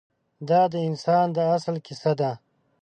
دا د انسان د اصل کیسه ده.